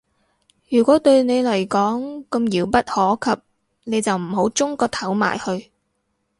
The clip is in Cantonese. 如果對你嚟講咁遙不可及，你就唔好舂個頭埋去